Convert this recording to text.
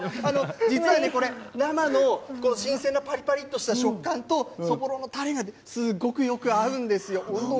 実はね、これ生の新鮮なパリパリとした食感とそぼろのたれがねすごくよく合うんですよ。